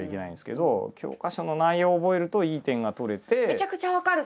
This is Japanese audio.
めちゃくちゃ分かる！